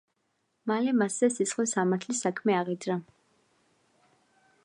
მალე მასზე სისხლის სამართლის საქმე აღიძრა.